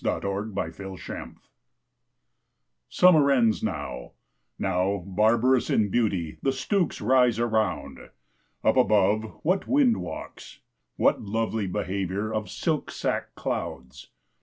14 Hurrahing in Harvest SUMMER ends now; now, barbarous in beauty, the stooks rise Around; up above, what wind walks! what lovely behaviour Of silk sack clouds!